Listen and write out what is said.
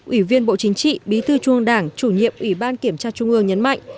ủy viên bộ chính trị bí thư trung ương đảng chủ nhiệm ủy ban kiểm tra trung ương nhấn mạnh